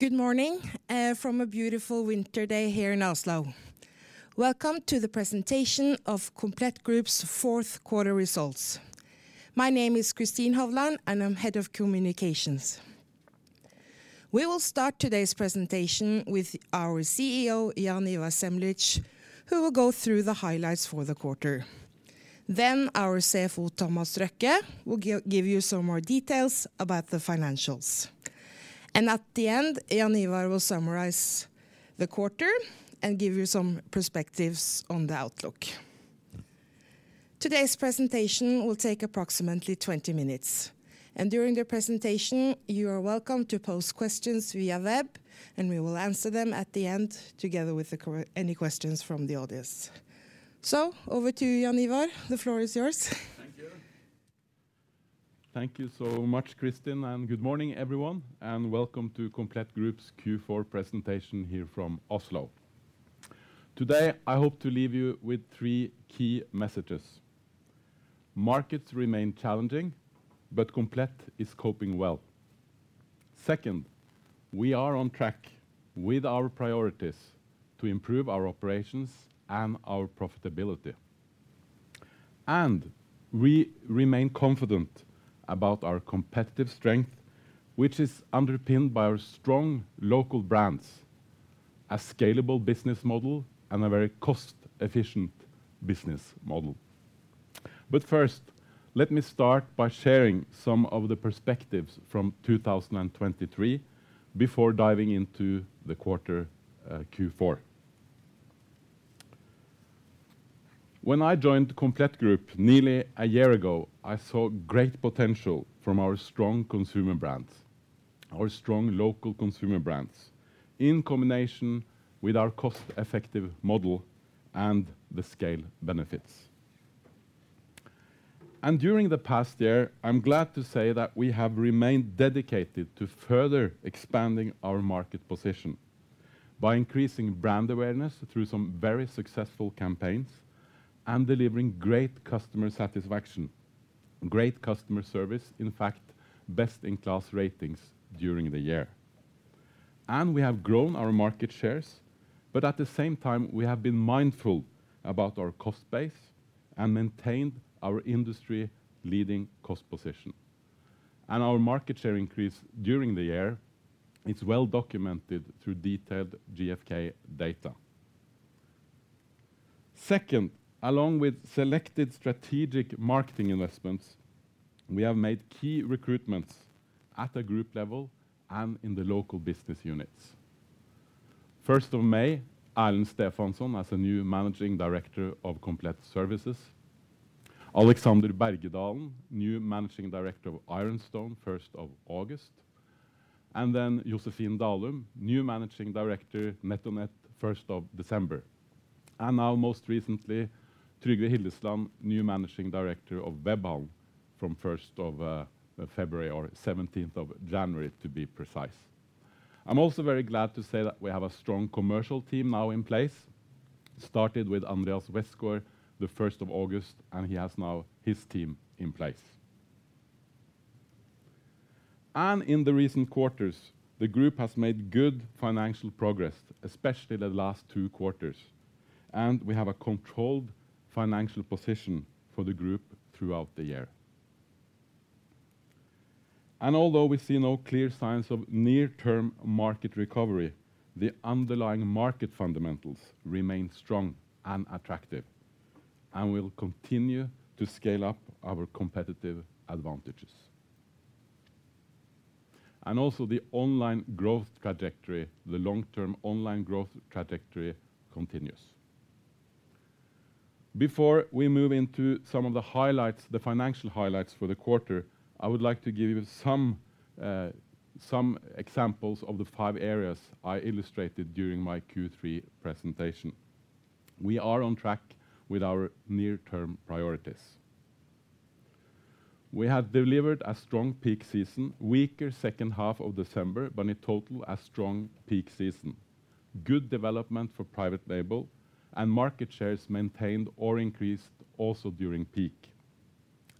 Good morning from a beautiful winter day here in Oslo. Welcome to the presentation of Komplett Group's Q4 results. My name is Kristin Hovland, and I'm Head of Communications. We will start today's presentation with our CEO, Jaan Ivar Semlitsch, who will go through the highlights for the quarter. Then our CFO, Thomas Røkke, will give you some more details about the financials. And at the end, Jaan Ivar will summarize the quarter and give you some perspectives on the outlook. Today's presentation will take approximately 20 minutes, and during the presentation, you are welcome to pose questions via web, and we will answer them at the end, together with any questions from the audience. So over to Jaan Ivar. The floor is yours. Thank you. Thank you so much, Kristin, and good morning, everyone, and welcome to Komplett Group's Q4 presentation here from Oslo. Today, I hope to leave you with three key messages: Markets remain challenging, but Komplett is coping well. Second, we are on track with our priorities to improve our operations and our profitability. And we remain confident about our competitive strength, which is underpinned by our strong local brands, a scalable business model, and a very cost-efficient business model. But first, let me start by sharing some of the perspectives from 2023 before diving into the quarter, Q4. When I joined Komplett Group nearly a year ago, I saw great potential from our strong consumer brands, our strong local consumer brands, in combination with our cost-effective model and the scale benefits. During the past year, I'm glad to say that we have remained dedicated to further expanding our market position by increasing brand awareness through some very successful campaigns and delivering great customer satisfaction, great customer service, in fact, best-in-class ratings during the year. We have grown our market shares, but at the same time, we have been mindful about our cost base and maintained our industry-leading cost position. Our market share increase during the year is well documented through detailed GfK data. Second, along with selected strategic marketing investments, we have made key recruitments at a group level and in the local business units. First of May, Erlend Stefansson as a new Managing Director of Komplett Services. Alexander Bergedalen, new Managing Director of Ironstone, first of August. And then Josefin Dalum, new Managing Director, NetOnNet, 1st of December. And now, most recently, Trygve Hillesland, new Managing Director of Webhallen from 1st of February, or 17th of January, to be precise. I'm also very glad to say that we have a strong commercial team now in place, started with Andreas Westgaard the 1st of August, and he has now his team in place. In the recent quarters, the group has made good financial progress, especially the last two quarters, and we have a controlled financial position for the group throughout the year. Although we see no clear signs of near-term market recovery, the underlying market fundamentals remain strong and attractive, and we'll continue to scale up our competitive advantages. Also, the online growth trajectory, the long-term online growth trajectory, continues. Before we move into some of the highlights, the financial highlights for the quarter, I would like to give you some some examples of the five areas I illustrated during my Q3 presentation. We are on track with our near-term priorities. We have delivered a strong peak season, weaker 2H of December, but in total, a strong peak season. Good development for private label and market shares maintained or increased also during peak,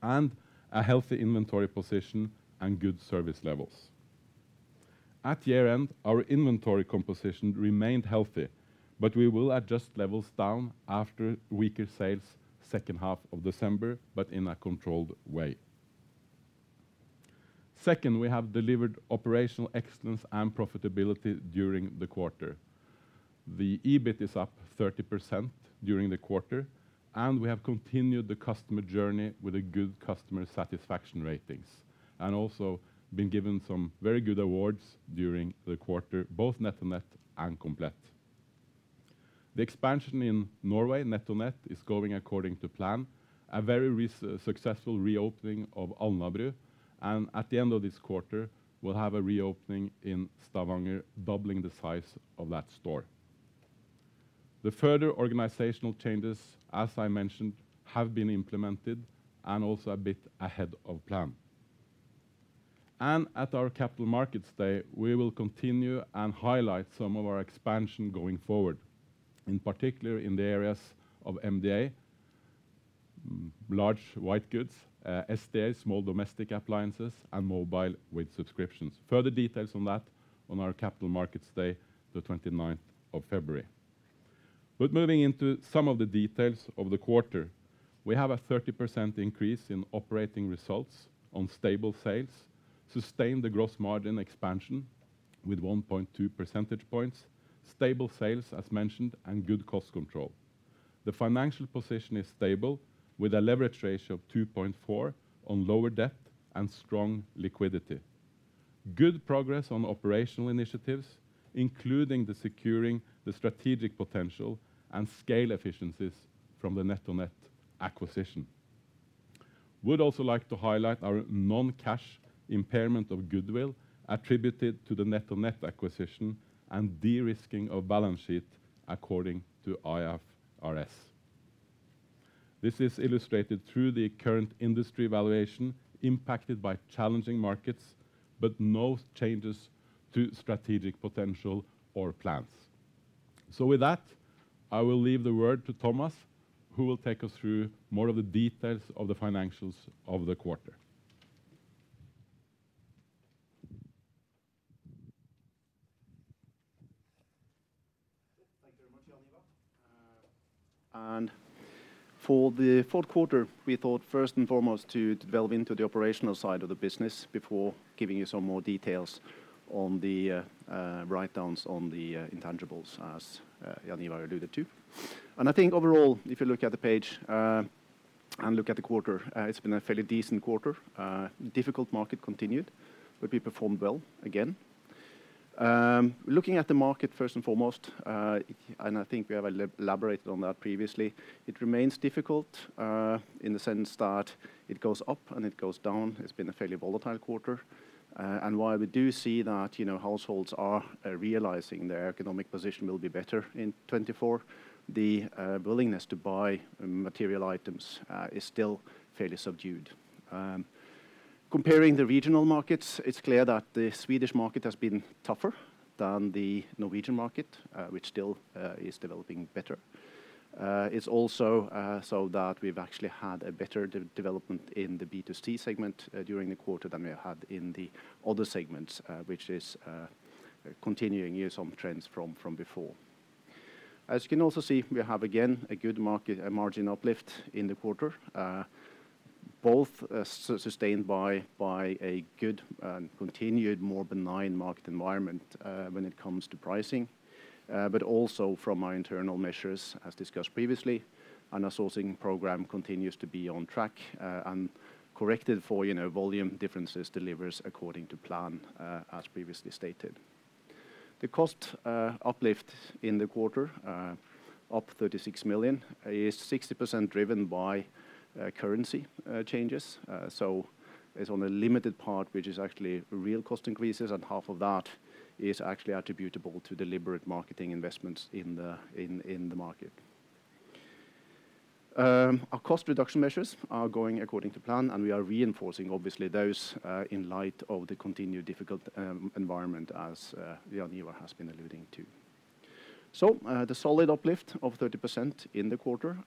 and a healthy inventory position and good service levels. At year-end, our inventory composition remained healthy, but we will adjust levels down after weaker sales 2H of December, but in a controlled way. Second, we have delivered operational excellence and profitability during the quarter. The EBIT is up 30% during the quarter, and we have continued the customer journey with a good customer satisfaction ratings, and also been given some very good awards during the quarter, both NetOnNet and Komplett. The expansion in Norway, NetOnNet, is going according to plan, a very successful reopening of Alnabru, and at the end of this quarter, we'll have a reopening in Stavanger, doubling the size of that store. The further organizational changes, as I mentioned, have been implemented and also a bit ahead of plan. And at our Capital Markets Day, we will continue and highlight some of our expansion going forward, in particular in the areas of MDA, large white goods, SDA, small domestic appliances, and mobile with subscriptions. Further details on that on our capital markets day, the 29th of February. But moving into some of the details of the quarter, we have a 30% increase in operating results on stable sales, sustained the gross margin expansion with 1.2 percentage points, stable sales, as mentioned, and good cost control. The financial position is stable, with a leverage ratio of 2.4 on lower debt and strong liquidity. Good progress on operational initiatives, including the securing the strategic potential and scale efficiencies from the NetOnNet acquisition. We'd also like to highlight our non-cash impairment of goodwill attributed to the NetOnNet acquisition and de-risking of balance sheet according to IFRS. This is illustrated through the current industry valuation, impacted by challenging markets, but no changes to strategic potential or plans. So with that, I will leave the word to Thomas, who will take us through more of the details of the financials of the quarter. Thank you very much, Jaan Ivar. And for the Q4, we thought first and foremost to delve into the operational side of the business before giving you some more details on the write-downs on the intangibles, as Jaan Ivar alluded to. I think overall, if you look at the page and look at the quarter, it's been a fairly decent quarter. Difficult market continued, but we performed well, again. Looking at the market first and foremost, and I think we have elaborated on that previously, it remains difficult in the sense that it goes up and it goes down. It's been a fairly volatile quarter. And while we do see that, you know, households are realizing their economic position will be better in 2024, the willingness to buy material items is still fairly subdued. Comparing the regional markets, it's clear that the Swedish market has been tougher than the Norwegian market, which still is developing better. It's also so that we've actually had a better development in the B2C segment during the quarter than we had in the other segments, which is continuing years on trends from before. As you can also see, we have, again, a good margin uplift in the quarter, both sustained by a good and continued, more benign market environment when it comes to pricing, but also from our internal measures, as discussed previously, and our sourcing program continues to be on track, and corrected for, you know, volume differences, delivers according to plan, as previously stated. The cost uplift in the quarter, up 36 million, is 60% driven by currency changes. So it's on a limited part, which is actually real cost increases, and half of that is actually attributable to deliberate marketing investments in the, in, in the market. Our cost reduction measures are going according to plan, and we are reinforcing, obviously, those, in light of the continued difficult environment as Jaan Ivar has been alluding to. So, the solid uplift of 30% in the quarter,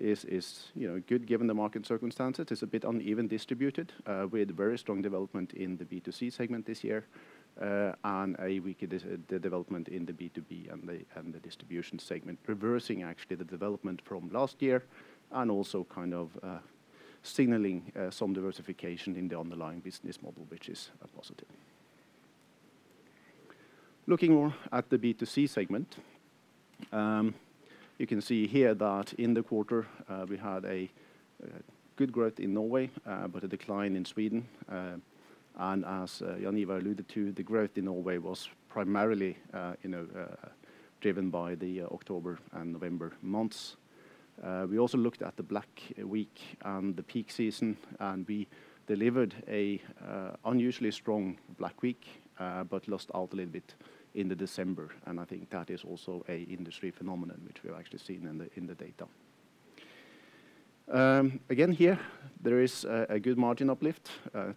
is, is, you know, good, given the market circumstances. It's a bit uneven distributed, with very strong development in the B2C segment this year, and a weaker development in the B2B and the, and the distribution segment, reversing actually the development from last year, and also kind of, signaling, some diversification in the underlying business model, which is a positive. Looking more at the B2C segment, you can see here that in the quarter, we had a good growth in Norway, but a decline in Sweden, and as Jaan-Ivar alluded to, the growth in Norway was primarily, you know, driven by the October and November months. We also looked at the Black Week and the peak season, and we delivered a unusually strong Black Week, but lost out a little bit in December, and I think that is also an industry phenomenon, which we have actually seen in the data. Again, here, there is a good margin uplift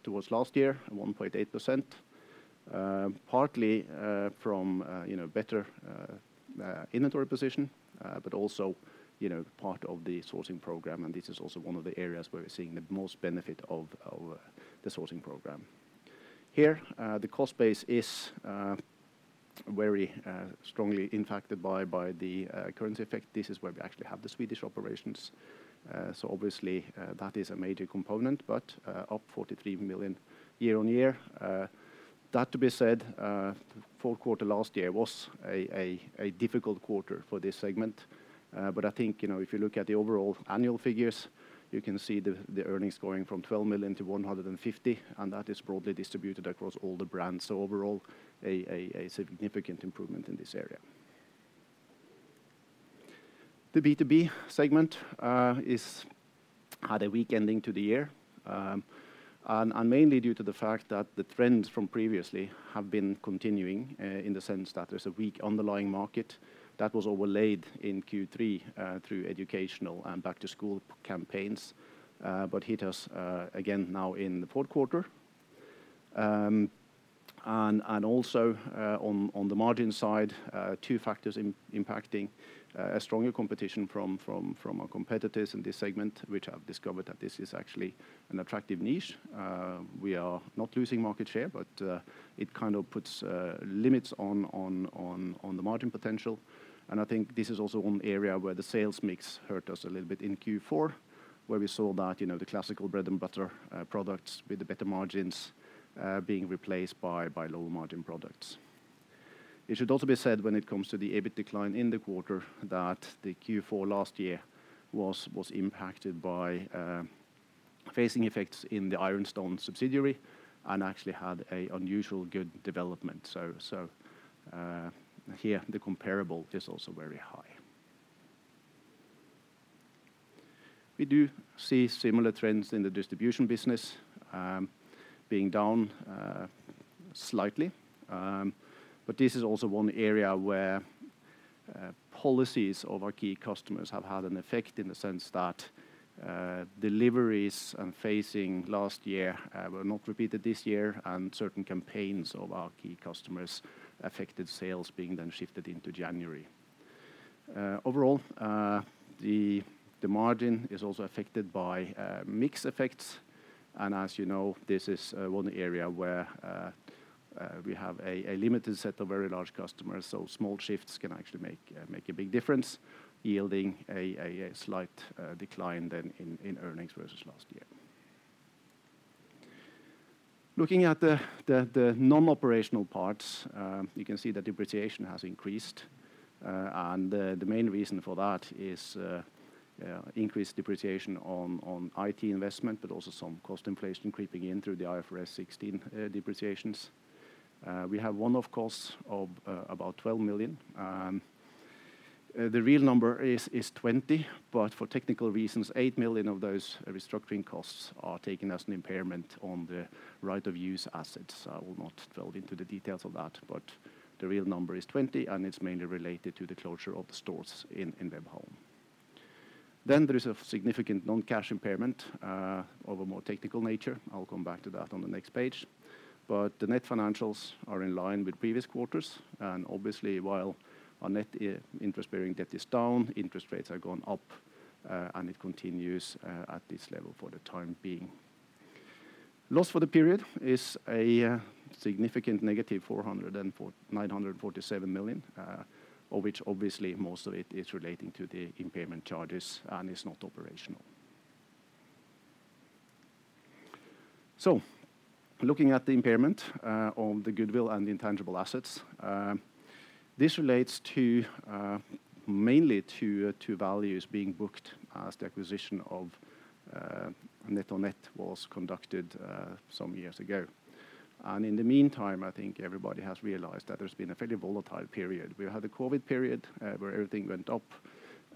towards last year, 1.8%, partly from you know, better inventory position, but also, you know, part of the sourcing program, and this is also one of the areas where we're seeing the most benefit of the sourcing program. Here, the cost base is very strongly impacted by the currency effect. This is where we actually have the Swedish operations, so obviously, that is a major component, but up 43 million year-on-year. That to be said, Q4 last year was a difficult quarter for this segment. But I think, you know, if you look at the overall annual figures, you can see the earnings going from 12 million to 150 million, and that is broadly distributed across all the brands. So overall, a significant improvement in this area. The B2B segment is at a weak ending to the year, and mainly due to the fact that the trends from previously have been continuing, in the sense that there's a weak underlying market that was overlaid in Q3 through educational and back-to-school campaigns, but hit us again now in the Q4. And also, on the margin side, two factors impacting a stronger competition from our competitors in this segment, which have discovered that this is actually an attractive niche. We are not losing market share, but it kind of puts limits on the margin potential. I think this is also one area where the sales mix hurt us a little bit in Q4, where we saw that, you know, the classical bread-and-butter products with the better margins being replaced by lower-margin products. It should also be said, when it comes to the EBIT decline in the quarter, that the Q4 last year was impacted by phasing effects in the Ironstone subsidiary and actually had an unusually good development. So, here, the comparable is also very high. We do see similar trends in the distribution business being down slightly. But this is also one area where policies of our key customers have had an effect in the sense that deliveries and phasing last year were not repeated this year, and certain campaigns of our key customers affected sales being then shifted into January. Overall, the margin is also affected by mix effects, and as you know, this is one area where we have a limited set of very large customers, so small shifts can actually make a big difference, yielding a slight decline than in earnings versus last year. Looking at the non-operational parts, you can see the depreciation has increased, and the main reason for that is increased depreciation on IT investment, but also some cost inflation creeping in through the IFRS 16 depreciations. We have one-off costs of about 12 million. The real number is 20 million, but for technical reasons, 8 million of those restructuring costs are taken as an impairment on the right of use assets. I will not delve into the details of that, but the real number is 20 million, and it's mainly related to the closure of the stores in Webhallen. Then there is a significant non-cash impairment of a more technical nature. I'll come back to that on the next page. But the net financials are in line with previous quarters, and obviously, while our net, interest-bearing debt is down, interest rates have gone up, and it continues at this level for the time being. Loss for the period is a significant negative 947 million, of which obviously, most of it is relating to the impairment charges and is not operational. So looking at the impairment on the goodwill and the intangible assets, this relates to mainly to values being booked as the acquisition of NetOnNet was conducted some years ago. And in the meantime, I think everybody has realized that there's been a fairly volatile period. We had the COVID period, where everything went up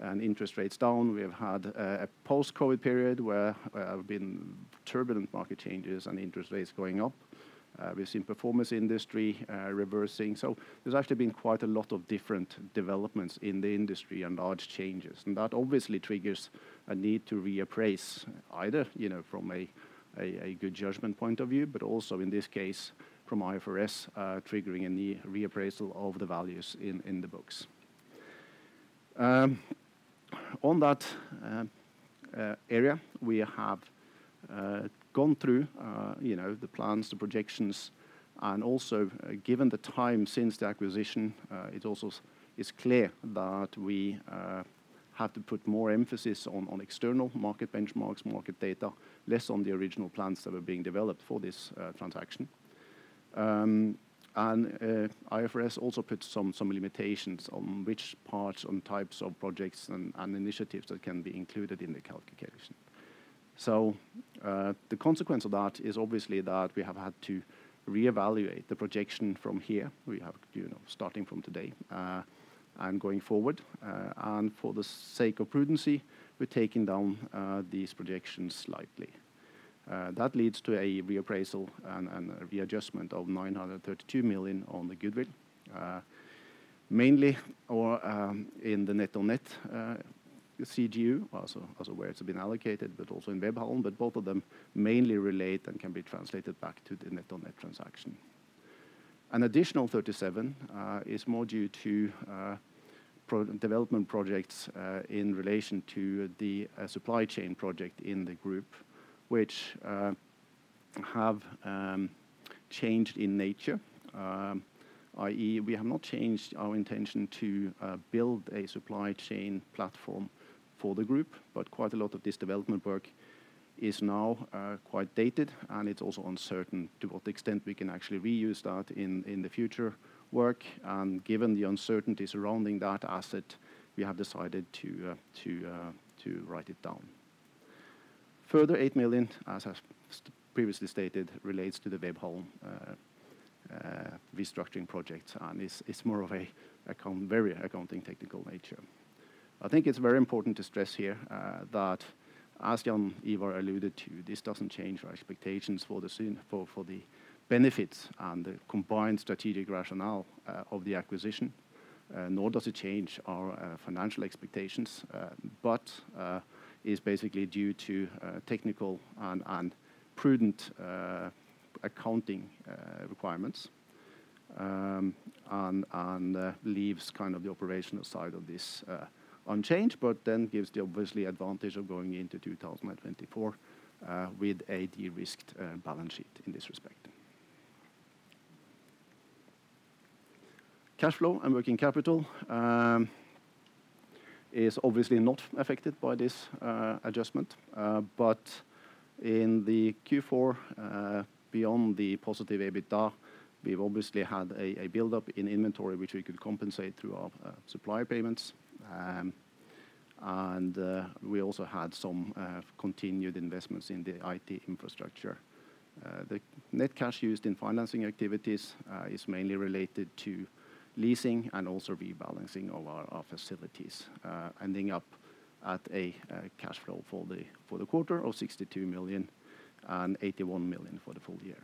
and interest rates down. We have had a post-COVID period, where have been turbulent market changes and interest rates going up. We've seen performance industry reversing. So there's actually been quite a lot of different developments in the industry and large changes, and that obviously triggers a need to reappraise either, you know, from a good judgment point of view, but also in this case, from IFRS, triggering a reappraisal of the values in the books. On that area, we have gone through you know the plans, the projections, and also, given the time since the acquisition, it also is clear that we have to put more emphasis on external market benchmarks, market data, less on the original plans that are being developed for this transaction. IFRS also put some limitations on which parts and types of projects and initiatives that can be included in the calculation. So, the consequence of that is obviously that we have had to reevaluate the projection from here. We have, you know, starting from today, and going forward, and for the sake of prudence, we're taking down these projections slightly. That leads to a reappraisal and a readjustment of 932 million on the goodwill, mainly or in the NetOnNet CGU, also where it's been allocated, but also in Webhallen, but both of them mainly relate and can be translated back to the NetOnNet transaction. An additional 37 is more due to development projects in relation to the supply chain project in the group, which have changed in nature. i.e., we have not changed our intention to build a supply chain platform for the group, but quite a lot of this development work is now quite dated, and it's also uncertain to what extent we can actually reuse that in the future work. And given the uncertainty surrounding that asset, we have decided to write it down. Further, 8 million, as I've previously stated, relates to the Webhallen restructuring projects and is more of an accounting technical nature. I think it's very important to stress here that as Jaan Ivar alluded to, this doesn't change our expectations for the synergies for the benefits and the combined strategic rationale of the acquisition, nor does it change our financial expectations, but is basically due to technical and prudent accounting requirements. And leaves kind of the operational side of this unchanged, but then gives the obviously advantage of going into 2024 with a de-risked balance sheet in this respect. Cash flow and working capital is obviously not affected by this adjustment. But in the Q4, beyond the positive EBITDA, we've obviously had a buildup in inventory, which we could compensate through our supplier payments. We also had some continued investments in the IT infrastructure. The net cash used in financing activities is mainly related to leasing and also rebalancing of our facilities, ending up at a cash flow for the quarter of 62 million and 81 million for the full year.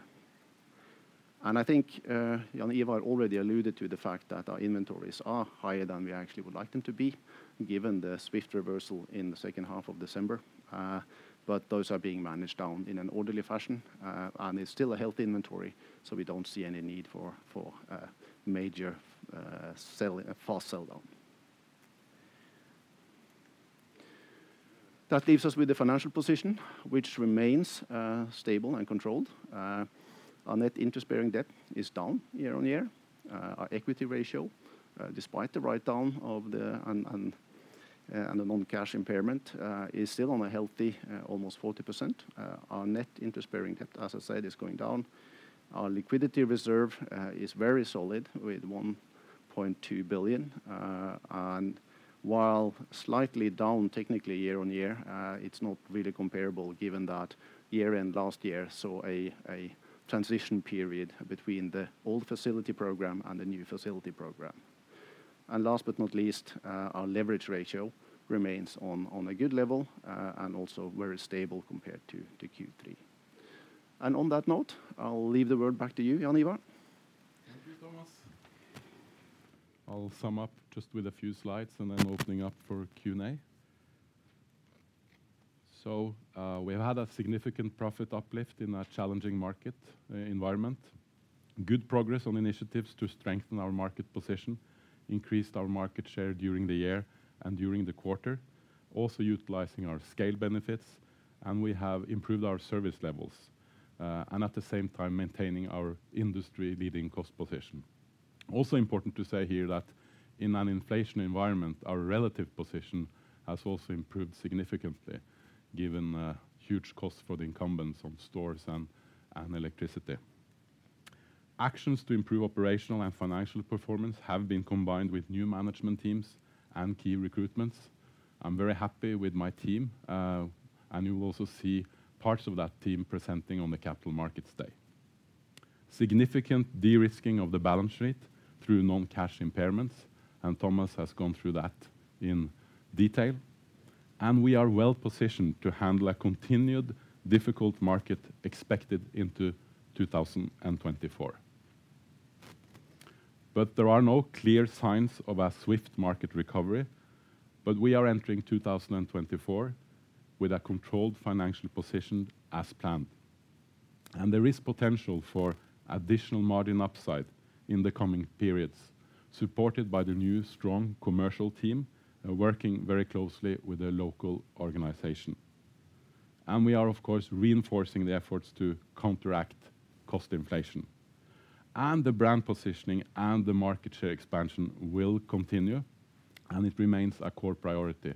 I think Jaan Ivar already alluded to the fact that our inventories are higher than we actually would like them to be, given the swift reversal in the 2H of December. Those are being managed down in an orderly fashion, and it's still a healthy inventory, so we don't see any need for major fast sell-down. That leaves us with the financial position, which remains stable and controlled. Our net interest-bearing debt is down year-on-year. Our equity ratio, despite the write-down and the non-cash impairment, is still on a healthy, almost 40%. Our net interest-bearing debt, as I said, is going down. Our liquidity reserve is very solid, with 1.2 billion. And while slightly down technically year-on-year, it's not really comparable given that year-end last year saw a transition period between the old facility program and the new facility program. And last but not least, our leverage ratio remains on a good level, and also very stable compared to Q3. And on that note, I'll leave the word back to you, Jaan Ivar. Thank you, Thomas. I'll sum up just with a few slides and then opening up for Q&A. So, we've had a significant profit uplift in a challenging market environment. Good progress on initiatives to strengthen our market position, increased our market share during the year and during the quarter. Also utilizing our scale benefits, and we have improved our service levels, and at the same time, maintaining our industry-leading cost position. Also important to say here that in an inflation environment, our relative position has also improved significantly, given the huge cost for the incumbents on stores and electricity. Actions to improve operational and financial performance have been combined with new management teams and key recruitments. I'm very happy with my team, and you will also see parts of that team presenting on the Capital Markets Day. Significant de-risking of the balance sheet through non-cash impairments, and Thomas has gone through that in detail, and we are well positioned to handle a continued difficult market expected into 2024. But there are no clear signs of a swift market recovery, but we are entering 2024 with a controlled financial position as planned, and there is potential for additional margin upside in the coming periods, supported by the new strong commercial team, working very closely with the local organization. And we are, of course, reinforcing the efforts to counteract cost inflation. And the brand positioning and the market share expansion will continue, and it remains a core priority.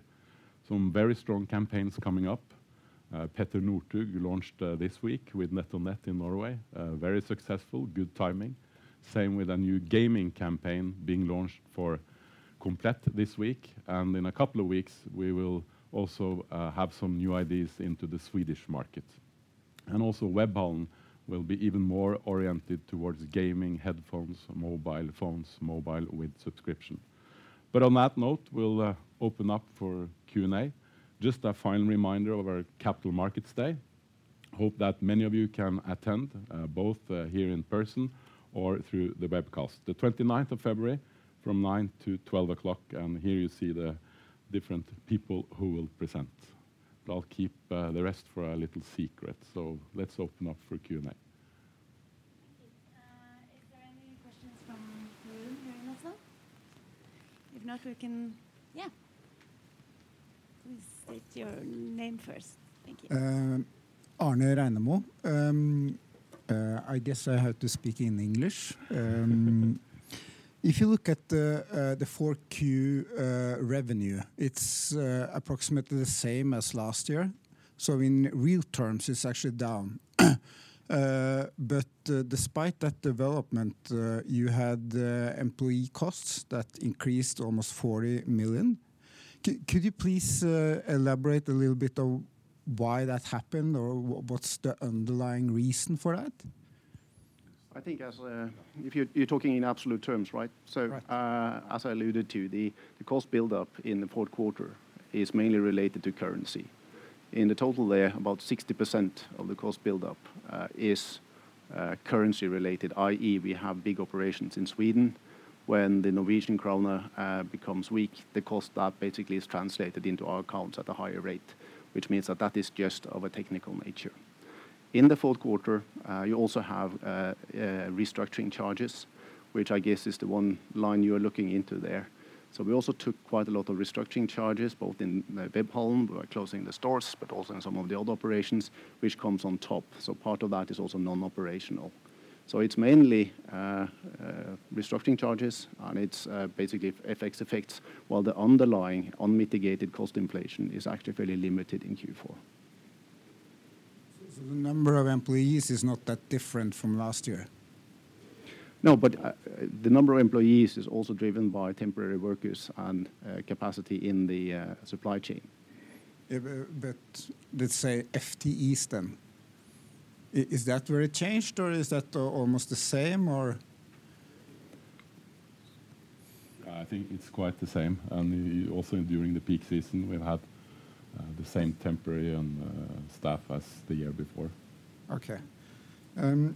Some very strong campaigns coming up. Petter Northug launched this week with NetOnNet in Norway. Very successful, good timing. Same with a new gaming campaign being launched for Komplett this week, and in a couple of weeks, we will also have some new ideas into the Swedish market. And also Webhallen will be even more oriented towards gaming, headphones, mobile phones, mobile with subscription. But on that note, we'll open up for Q&A. Just a final reminder of our Capital Markets Day. Hope that many of you can attend, both here in person or through the webcast. The 29th of February from 9:00 A.M. to 12:00 P.M., and here you see the different people who will present. But I'll keep the rest for a little secret, so let's open up for Q&A. Thank you. Is there any questions from the room here also? If not, we can... Yeah. Please state your name first. Thank you. Arne Reinemo. I guess I have to speak in English. If you look at the 4Q revenue, it's approximately the same as last year, so in real terms, it's actually down. But despite that development, you had employee costs that increased almost 40 million. Could you please elaborate a little bit on why that happened, or what's the underlying reason for that? I think, as if you're talking in absolute terms, right? Right. As I alluded to, the cost buildup in the Q4 is mainly related to currency. In the total there, about 60% of the cost buildup is currency related, i.e., we have big operations in Sweden, when the Norwegian kroner becomes weak, the cost that basically is translated into our accounts at a higher rate, which means that that is just of a technical nature. In the Q4, you also have restructuring charges, which I guess is the one line you are looking into there. So we also took quite a lot of restructuring charges, both in Webhallen. We are closing the stores, but also in some of the other operations, which comes on top. So part of that is also non-operational. So it's mainly restructuring charges, and it's basically FX effects, while the underlying unmitigated cost inflation is actually fairly limited in Q4. The number of employees is not that different from last year? No, but the number of employees is also driven by temporary workers and capacity in the supply chain. Yeah, but let's say FTEs then. Is that very changed, or is that almost the same, or? Yeah, I think it's quite the same, and also during the peak season, we've had the same temporary and staff as the year before. Okay. The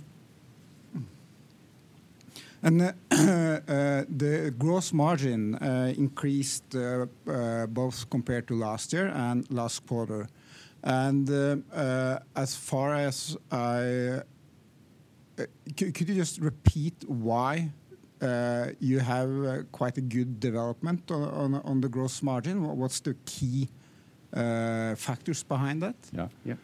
gross margin increased both compared to last year and last quarter. As far as I... Could you just repeat why you have quite a good development on the gross margin? What's the key factors behind that? Yeah. Yeah.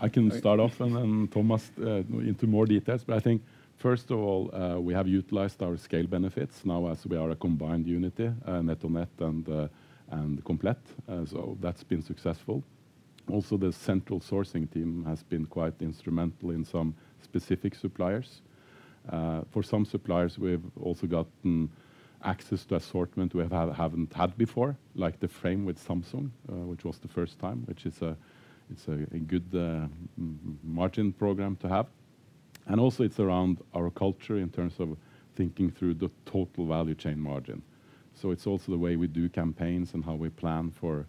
I can start off, and then Thomas into more details. But I think first of all, we have utilized our scale benefits now as we are a combined unit, NetOnNet and Komplett, so that's been successful. Also, the central sourcing team has been quite instrumental in some specific suppliers. For some suppliers, we've also gotten access to assortment we have had, haven't had before, like The Frame with Samsung, which was the first time, which is a, it's a, a good margin program to have. And also it's around our culture in terms of thinking through the total value chain margin. So it's also the way we do campaigns and how we plan for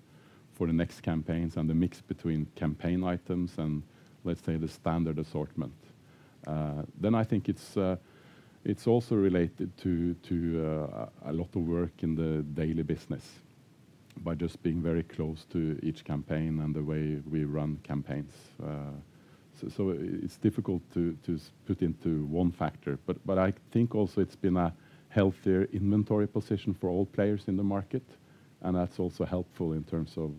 the next campaigns and the mix between campaign items and, let's say, the standard assortment. Then I think it's also related to a lot of work in the daily business by just being very close to each campaign and the way we run campaigns. So it's difficult to put into one factor, but I think also it's been a healthier inventory position for all players in the market, and that's also helpful in terms of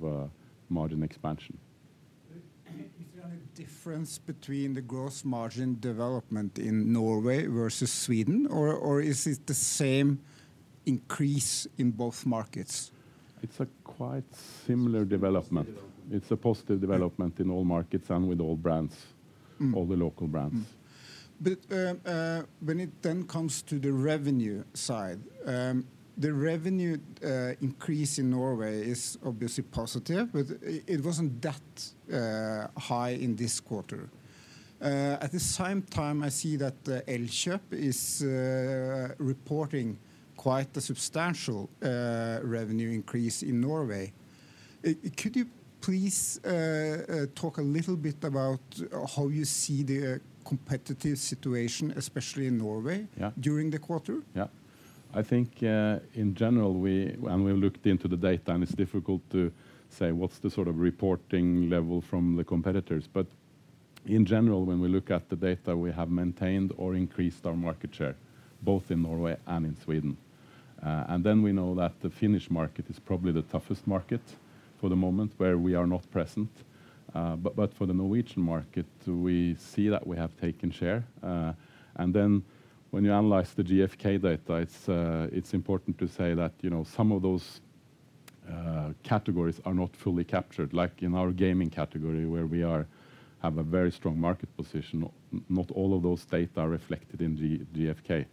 margin expansion. Is there any difference between the gross margin development in Norway versus Sweden, or is it the same increase in both markets? It's a quite similar development. Similar. It's a positive development in all markets and with all brands, all the local brands. But, when it then comes to the revenue side, the revenue increase in Norway is obviously positive, but it wasn't that high in this quarter. At the same time, I see that the Elkjøp is reporting quite a substantial revenue increase in Norway. Could you please talk a little bit about how you see the competitive situation, especially in Norway-... during the quarter? Yeah. I think, in general, we looked into the data, and it's difficult to say what's the sort of reporting level from the competitors. But in general, when we look at the data, we have maintained or increased our market share, both in Norway and in Sweden. Then we know that the Finnish market is probably the toughest market for the moment, where we are not present. But for the Norwegian market, we see that we have taken share. Then when you analyze the GfK data, it's important to say that, you know, some of those categories are not fully captured, like in our gaming category, where we have a very strong market position. Not all of those data are reflected in GfK.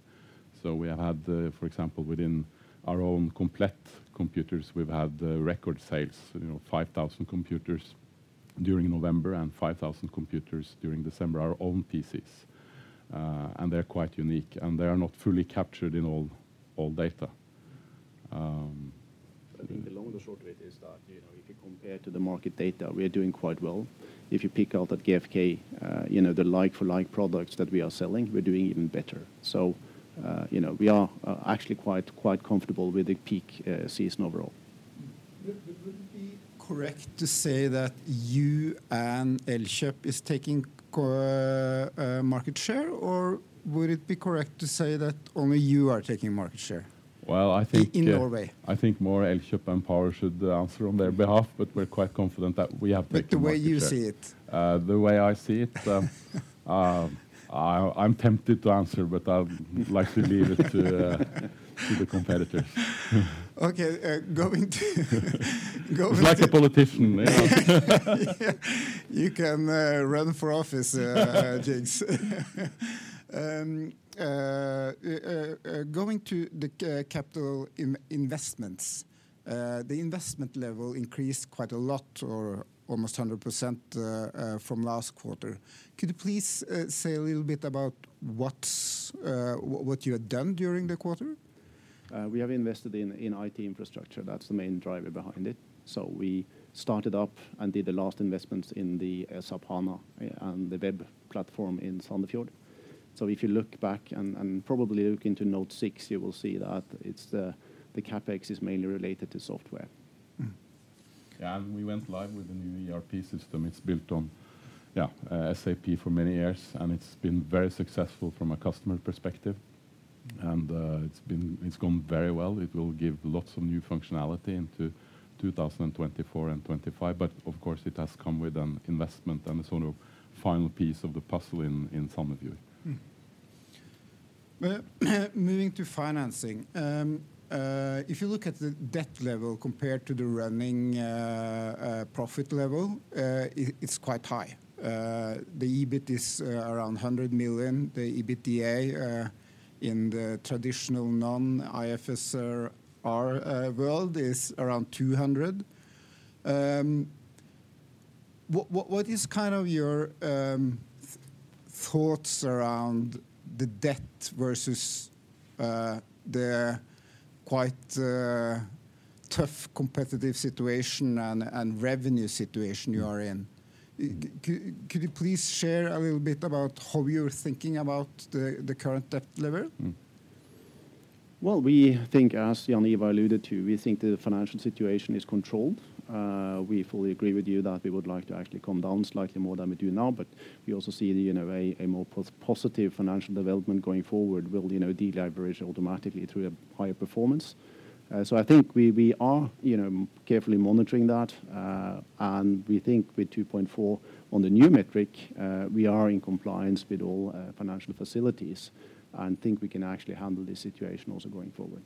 We have had, for example, within our own Komplett computers, we've had, record sales, you know, 5,000 computers during November and 5,000 computers during December, our own PCs. They're quite unique, and they are not fully captured in all, all data. I think the long and the short of it is that, you know, if you compare to the market data, we are doing quite well. If you pick out that GfK, you know, the like-for-like products that we are selling, we're doing even better. So, you know, we are, actually quite, quite comfortable with the peak season overall. Would it be correct to say that you and Elkjøp is taking a market share, or would it be correct to say that only you are taking market share? Well, I think, In Norway. I think more Elkjøp and Power should answer on their behalf, but we're quite confident that we have taken the market share. The way you see it? The way I see it, I'm tempted to answer, but I'd like to leave it to the competitors. Okay, going to... Like a politician, you know. You can run for office, Jaans. Going to the capital investments, the investment level increased quite a lot, or almost 100%, from last quarter. Could you please say a little bit about what you had done during the quarter? We have invested in, in IT infrastructure. That's the main driver behind it. So we started up and did the last investments in the, SAP HANA, and the web platform in Sandefjord. So if you look back and, and probably look into note 6, you will see that it's the, the CapEx is mainly related to software.... Yeah, and we went live with the new ERP system. It's built on, yeah, SAP for many years, and it's been very successful from a customer perspective, and it's gone very well. It will give lots of new functionality into 2024 and 2025, but of course, it has come with an investment and a sort of final piece of the puzzle in some of you. Well, moving to financing. If you look at the debt level compared to the running profit level, it's quite high. The EBIT is around 100 million. The EBITDA in the traditional non-IFRS world is around 200 million. What is kind of your thoughts around the debt versus the quite tough competitive situation and revenue situation you are in? Could you please share a little bit about how you're thinking about the current debt level? Well, we think, as Jaan Ivar alluded to, we think the financial situation is controlled. We fully agree with you that we would like to actually come down slightly more than we do now, but we also see the, you know, a more positive financial development going forward will, you know, de-leverage automatically through a higher performance. So I think we are, you know, carefully monitoring that, and we think with 2.4 on the new metric, we are in compliance with all financial facilities and think we can actually handle this situation also going forward.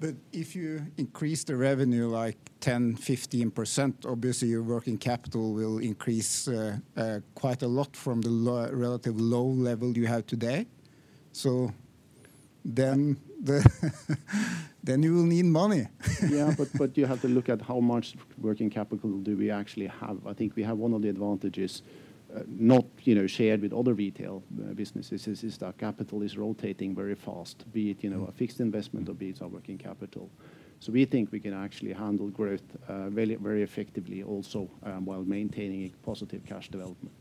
But if you increase the revenue, like 10%-15%, obviously your working capital will increase quite a lot from the low, relative low level you have today. So then you will need money. Yeah, but you have to look at how much working capital do we actually have? I think we have one of the advantages, not, you know, shared with other retail businesses, is that our capital is rotating very fast, be it, you know, a fixed investment or be it our working capital. So we think we can actually handle growth very, very effectively also while maintaining a positive cash development.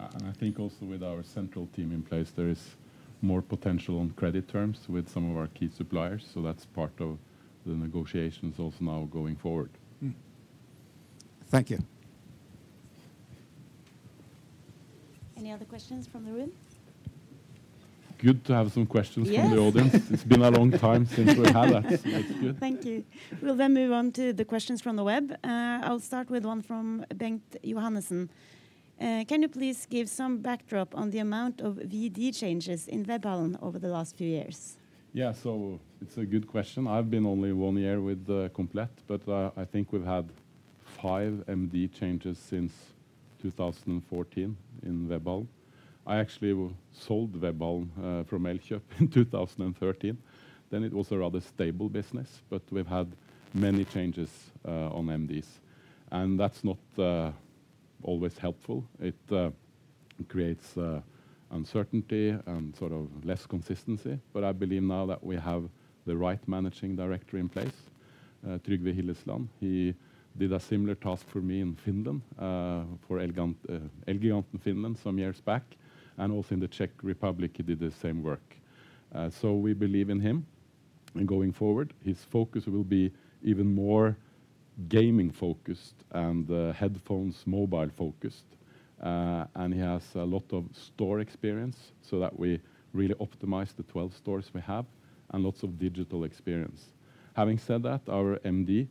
Hmm. I think also with our central team in place, there is more potential on credit terms with some of our key suppliers, so that's part of the negotiations also now going forward. Hmm. Thank you. Any other questions from the room? Good to have some questions from the audience. Yeah. It's been a long time since we had that. That's good. Thank you. We'll then move on to the questions from the web. I'll start with one from Bengt Jonassen. Can you please give some backdrop on the amount of VD changes in Webhallen over the last few years? Yeah, so it's a good question. I've been only one year with the Komplett, but I think we've had five MD changes since 2014 in Webhallen. I actually sold Webhallen from Elkjøp in 2013. Then it was a rather stable business, but we've had many changes on MDs, and that's not always helpful. It creates uncertainty and sort of less consistency, but I believe now that we have the right managing director in place, Trygve Hillesland. He did a similar task for me in Finland for Elgiganten, Elgiganten Finland some years back, and also in the Czech Republic, he did the same work. So we believe in him, and going forward, his focus will be even more gaming-focused and headphones, mobile-focused. And he has a lot of store experience, so that we really optimize the 12 stores we have, and lots of digital experience. Having said that, our MD,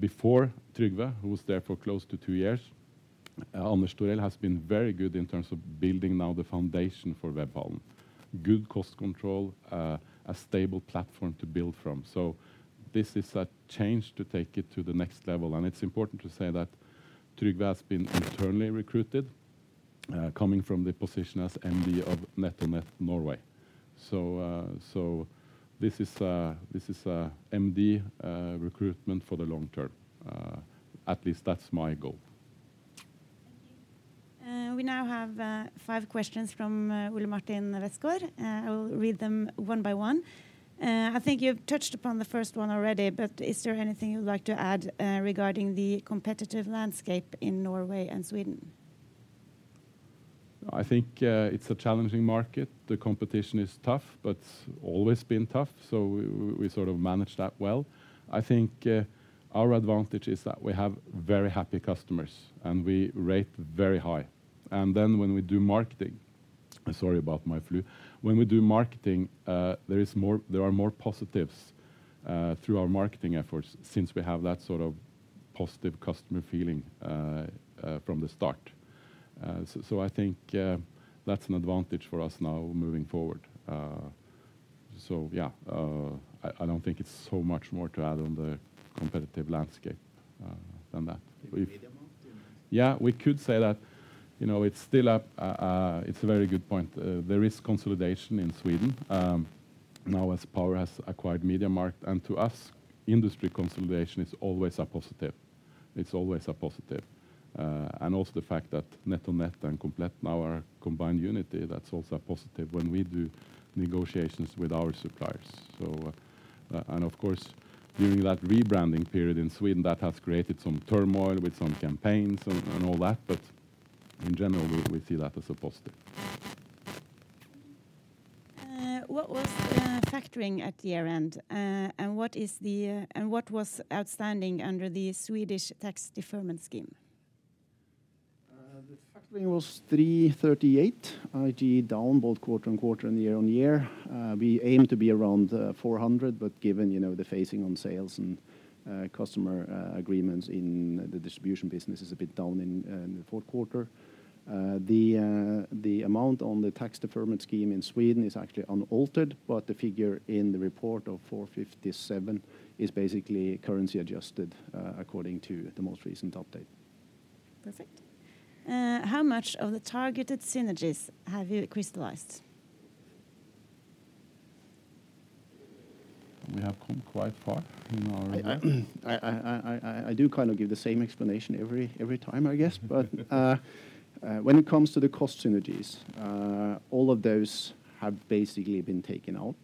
before Trygve, who was there for close to two years, Anders Torell, has been very good in terms of building now the foundation for Webhallen. Good cost control, a stable platform to build from. So this is a change to take it to the next level, and it's important to say that Trygve has been internally recruited, coming from the position as MD of NetOnNet Norway. So this is a MD recruitment for the long term. At least that's my goal. Thank you. We now have five questions from Ole Martin Westgaard. I will read them one by one. I think you've touched upon the first one already, but is there anything you'd like to add regarding the competitive landscape in Norway and Sweden? I think, it's a challenging market. The competition is tough, but always been tough, so we sort of manage that well. I think, our advantage is that we have very happy customers, and we rate very high. And then when we do marketing... Sorry about my flu. When we do marketing, there is more, there are more positives, through our marketing efforts since we have that sort of positive customer feeling, from the start. So, so I think, that's an advantage for us now moving forward. So yeah, I don't think it's so much more to add on the competitive landscape, than that. We've- MediaMarkt, you mean? Yeah, we could say that, you know, it's still a... It's a very good point. There is consolidation in Sweden, now as Power has acquired MediaMarkt, and to us, industry consolidation is always a positive. It's always a positive. And also the fact that NetOnNet and Komplett now are a combined unit, that's also a positive when we do negotiations with our suppliers. So... And of course, during that rebranding period in Sweden, that has created some turmoil with some campaigns and all that, but in general, we see that as a positive. What was the factoring at the year-end? And what was outstanding under the Swedish tax deferment scheme? The factoring was 338, i.e., down both quarter-over-quarter and year-on-year. We aim to be around 400, but given, you know, the phasing on sales and customer agreements in the distribution business is a bit down in the Q4. The amount on the tax deferment scheme in Sweden is actually unaltered, but the figure in the report of 457 is basically currency adjusted according to the most recent update. Perfect. How much of the targeted synergies have you crystallized? We have come quite far, you know. I do kind of give the same explanation every time, I guess. But when it comes to the cost synergies, all of those have basically been taken out,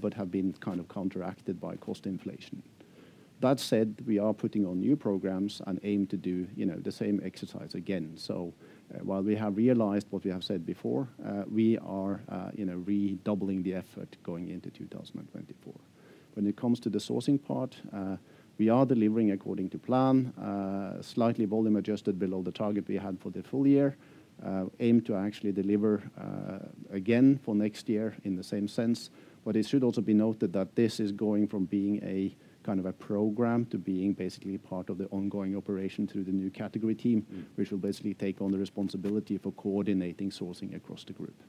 but have been kind of counteracted by cost inflation. That said, we are putting on new programs and aim to do, you know, the same exercise again. So while we have realized what we have said before, we are, you know, redoubling the effort going into 2024. When it comes to the sourcing part, we are delivering according to plan, slightly volume adjusted below the target we had for the full year. Aim to actually deliver, again for next year in the same sense. But it should also be noted that this is going from being a kind of a program to being basically part of the ongoing operation through the new category team which will basically take on the responsibility for coordinating sourcing across the group.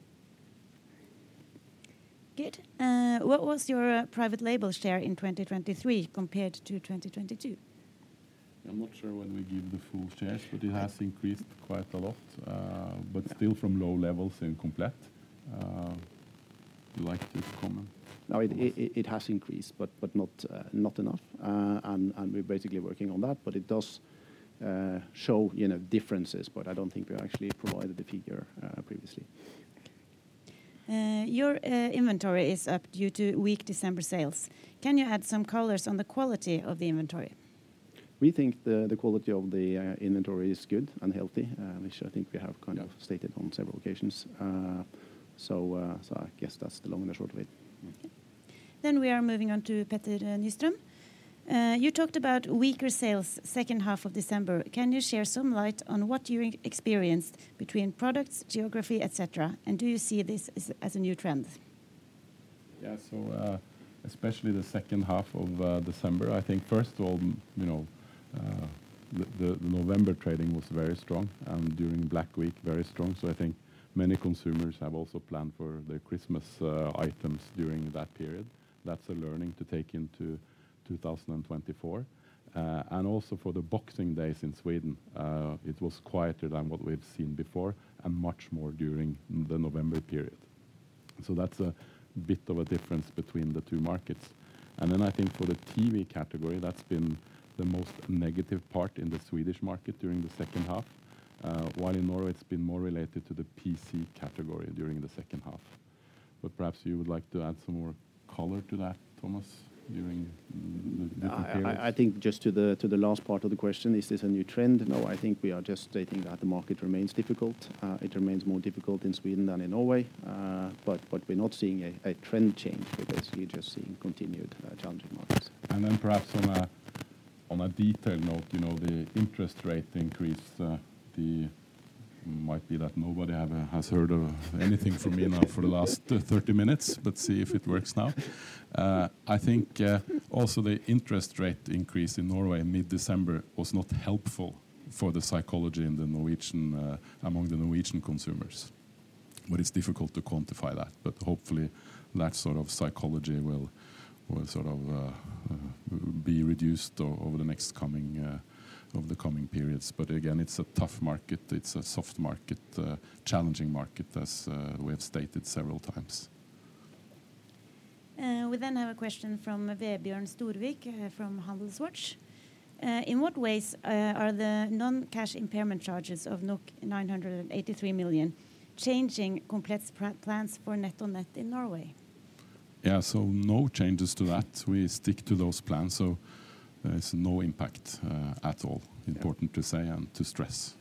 Good. What was your private label share in 2023 compared to 2022? I'm not sure when we give the full shares, but it has increased quite a lot, but still from low levels in Komplett. Would you like to comment? No, it has increased, but not enough. And we're basically working on that, but it does show, you know, differences, but I don't think we actually provided the figure previously. Your inventory is up due to weak December sales. Can you add some colors on the quality of the inventory? We think the quality of the inventory is good and healthy, which I think we have kind of stated on several occasions. So, so I guess that's the long and short of it. Then we are moving on to Petter Nyström. You talked about weaker sales 2H of December. Can you share some light on what you experienced between products, geography, et cetera, and do you see this as, as a new trend? Yeah. So, especially the 2H of December, I think first of all, you know, the November trading was very strong and during Black Week, very strong. So I think many consumers have also planned for their Christmas items during that period. That's a learning to take into 2024. And also for the Boxing Days in Sweden, it was quieter than what we've seen before, and much more during the November period. So that's a bit of a difference between the two markets. And then I think for the TV category, that's been the most negative part in the Swedish market during the 2H. While in Norway, it's been more related to the PC category during the 2H. But perhaps you would like to add some more color to that, Thomas, during the period. I think just to the last part of the question, is this a new trend? No, I think we are just stating that the market remains difficult. It remains more difficult in Sweden than in Norway. But we're not seeing a trend change. We're basically just seeing continued challenging markets. Then perhaps on a detail note, you know, the interest rate increase. Might be that nobody has heard of anything from me now for the last 30 minutes, but see if it works now. I think also the interest rate increase in Norway in mid-December was not helpful for the psychology in the Norwegian, among the Norwegian consumers, but it's difficult to quantify that. But hopefully, that sort of psychology will sort of be reduced over the next coming, over the coming periods. But again, it's a tough market, it's a soft market, challenging market as we have stated several times. We have a question from Vebjørn Storvik from HandelsWatch. In what ways are the non-cash impairment charges of 983 million changing Komplett's plans for NetOnNet in Norway? Yeah, so no changes to that. We stick to those plans, so there's no impact at all. Yeah. Important to say and to stress.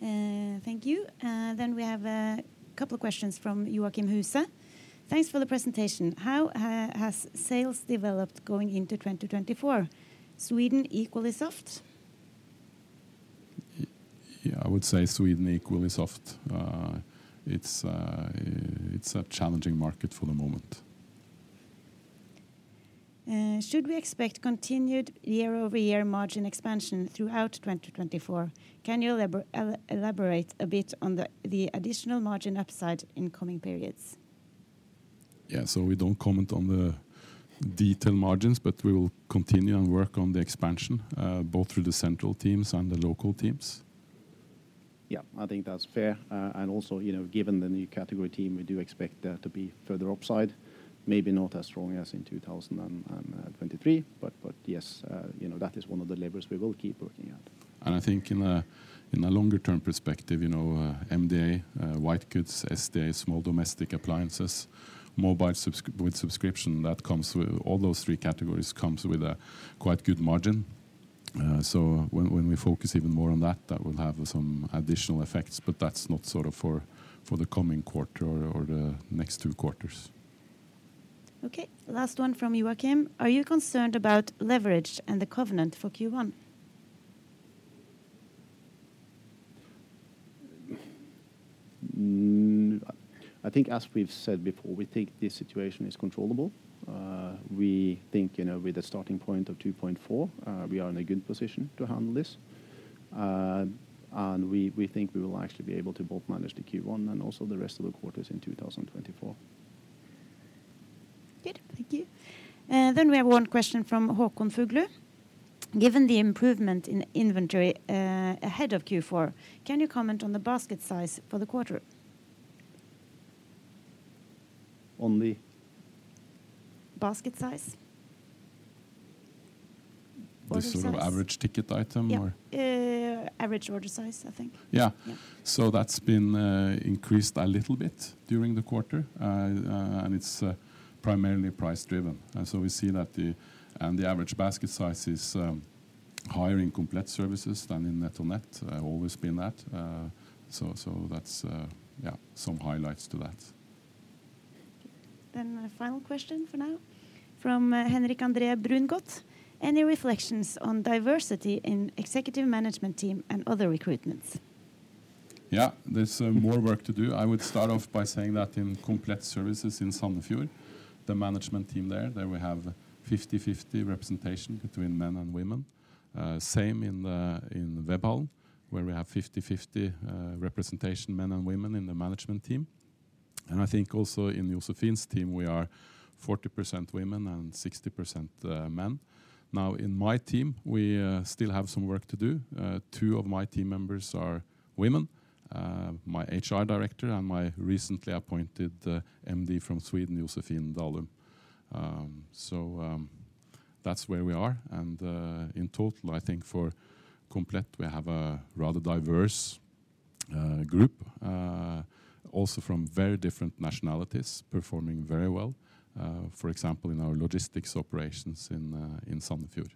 Thank you. Then we have a couple of questions from Joachim Husa: Thanks for the presentation. How has sales developed going into 2024? Sweden equally soft? Yeah, I would say Sweden equally soft. It's a challenging market for the moment. Should we expect continued year-over-year margin expansion throughout 2024? Can you elaborate a bit on the additional margin upside in coming periods? Yeah, so we don't comment on the detail margins, but we will continue and work on the expansion, both through the central teams and the local teams. Yeah, I think that's fair. And also, you know, given the new category team, we do expect there to be further upside, maybe not as strong as in 2023, but yes, you know, that is one of the levers we will keep working on. I think in a longer term perspective, you know, MDA, white goods, SDA, small domestic appliances, mobile subsc- with subscription, that comes with... All those three categories comes with a quite good margin. So when, when we focus even more on that, that will have some additional effects, but that's not sort of for, for the coming quarter or, or the next two quarters. Okay, last one from Joakim: Are you concerned about leverage and the covenant for Q1? I think as we've said before, we think this situation is controllable. We think, you know, with a starting point of 2.4, we are in a good position to handle this. And we, we think we will actually be able to both manage the Q1 and also the rest of the quarters in 2024. Good. Thank you. Then we have one question from Håkon Fuglseth. Given the improvement in inventory ahead of Q4, can you comment on the basket size for the quarter? On the? Basket size. Order size. The sort of average ticket item or? Yeah, average order size, I think. Yeah. Yeah. So that's been increased a little bit during the quarter. And it's primarily price driven. And so we see that the average basket size is higher in Komplett Services than in NetOnNet. Always been that. So, so that's yeah, some highlights to that. Then the final question for now, from Henrik Andre Brungot: Any reflections on diversity in executive management team and other recruitments? Yeah. There's more work to do. I would start off by saying that in Komplett Services in Sandefjord, the management team there, there we have 50/50 representation between men and women. Same in Webhallen, where we have 50/50 representation, men and women, in the management team. And I think also in Josefin's team, we are 40% women and 60%, men. Now, in my team, we still have some work to do. Two of my team members are women, my HR director and my recently appointed MD from Sweden, Josefin Dalum. So, that's where we are, and in total, I think for Komplett, we have a rather diverse group, also from very different nationalities, performing very well, for example, in our logistics operations in Sandefjord.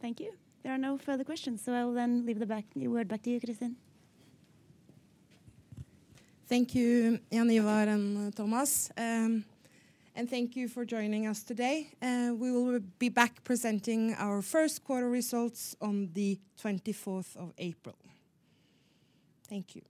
Thank you. There are no further questions, so I will then leave the word back to you, Kristin. Thank you, Jaan Ivar and Thomas, and thank you for joining us today, and we will be back presenting our first quarter results on the 24th of April. Thank you.